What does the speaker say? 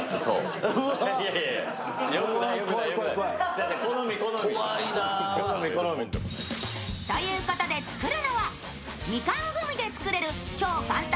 ちゃうちゃう、好み、好み。ということで作るのはみかんグミで作れる超簡単！